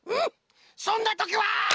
そんなときは！